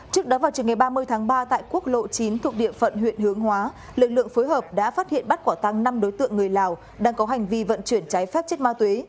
trước đó vào trường ngày ba mươi tháng ba tại quốc lộ chín thuộc địa phận huyện hướng hóa lực lượng phối hợp đã phát hiện bắt quả tăng năm đối tượng người lào đang có hành vi vận chuyển trái phép chất ma túy